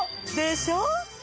でしょ！